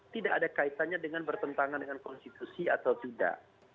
tidak ada kaitannya dengan bertentangan dengan konstitusi atau tidak